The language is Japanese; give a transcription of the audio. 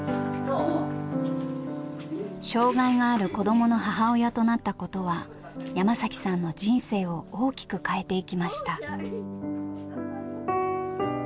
障害がある子どもの母親となったことは山さんの人生を大きく変えていきました。